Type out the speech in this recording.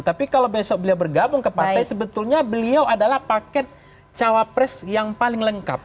tapi kalau besok beliau bergabung ke partai sebetulnya beliau adalah paket cawapres yang paling lengkap